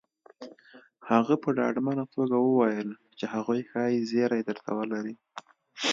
هغه په ډاډمنه توګه وويل چې هغوی ښايي زيری درته ولري